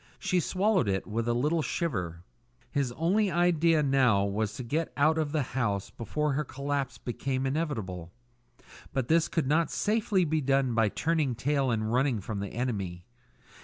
She swallowed it with a little shiver. His only idea now was to get out of the house before her collapse became inevitable; but this could not safely be done by turning tail and running from the enemy.